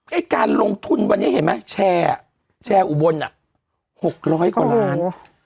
ไอ้การลงทุนวันนี้เห็นไหมแชร์แชร์อุบล๖๐๐กว่าล้าน